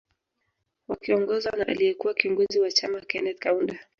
Wakiongozwa na aliye kuwa kiongozi wa chama Keneth Kaunda